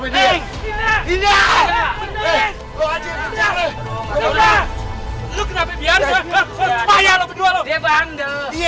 dia yang ngandil